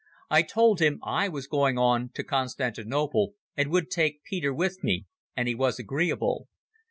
I told him I was going on to Constantinople and would take Peter with me, and he was agreeable.